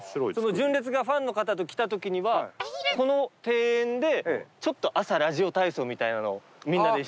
純烈がファンの方と来た時にはこの庭園でちょっと朝ラジオ体操みたいなのをみんなで一緒にやったりして。